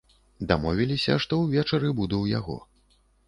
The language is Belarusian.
Дамовіліся, што ўвечары буду ў яго.